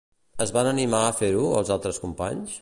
Es van animar a fer-ho, els altres companys?